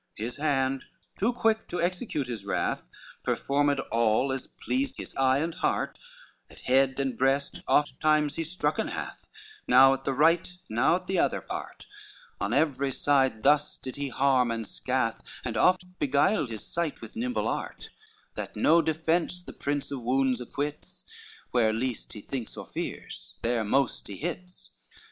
XXX His hand, too quick to execute his wrath, Performed all, as pleased his eye and heart, At head and breast oft times he strucken hath, Now at the right, now at the other part: On every side thus did he harm and scath, And oft beguile his sight with nimble art, That no defence the prince of wounds acquits, Where least he thinks, or fears, there most he hits.